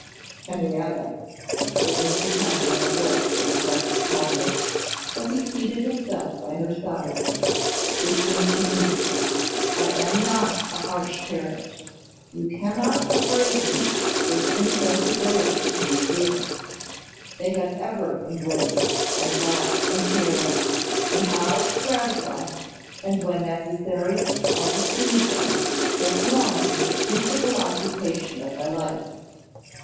'Henrietta,' said Mr. Temple in a voice of affected calmness, as he seated himself by her side, 'listen to me: I am not a harsh parent; you cannot upbraid me with insensibility to your feelings. They have ever engrossed my thought and care; and how to gratify, and when necessary how to soothe them, has long been the principal occupation of my life.